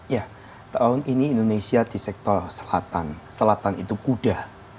ya tahun ini indonesia di sektor selatan selatan itu kuda